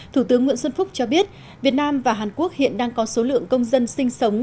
thủ tướng nguyễn xuân phúc cho biết việt nam và hàn quốc hiện đang có số lượng công dân sinh sống